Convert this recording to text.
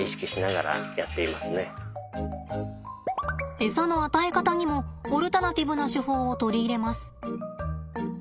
エサの与え方にもオルタナティブな手法を取り入れます。